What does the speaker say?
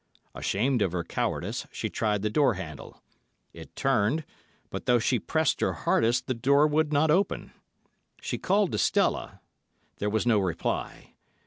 Ashamed of her cowardice, she tried the door handle. It turned, but though she pressed her hardest, the door would not open. She called to Stella, there was no reply.